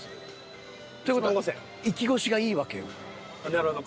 なるほど。